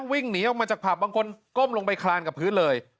วิ่งหนีออกมาจากผับบางคนก้มลงไปคลานกับพื้นเลย